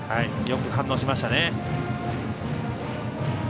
よく反応しましたね。